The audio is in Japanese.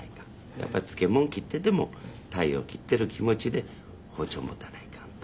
やっぱり漬物切ってても鯛を切ってる気持ちで包丁持たないかんと。